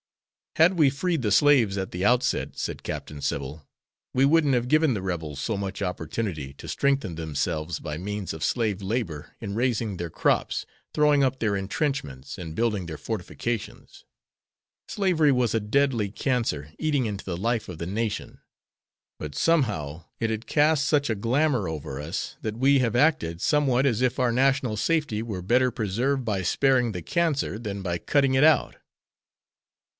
'" "Had we freed the slaves at the outset," said Captain Sybil, "we wouldn't have given the Rebels so much opportunity to strengthen themselves by means of slave labor in raising their crops, throwing up their entrenchments, and building their fortifications. Slavery was a deadly cancer eating into the life of the nation; but, somehow, it had cast such a glamour over us that we have acted somewhat as if our national safety were better preserved by sparing the cancer than by cutting it out."